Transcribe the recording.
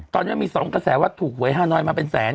ตอนนี้มันมี๒กระแสว่าถูกหวยฮานอยมาเป็นแสน